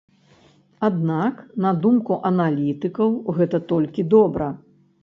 Аднак, на думку аналітыкаў, гэта толькі добра.